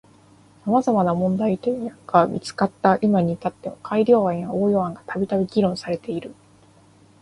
様々な問題点が見つかった今に至っても改良案や応用案がたびたび議論されている。